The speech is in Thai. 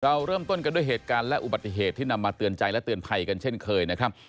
เราเริ่มต้นกันด้วยเหตุการณ์และอุบัติเหตุที่นำมาเตือนใจและเตือนภัยกันเช่นเคยนะครับ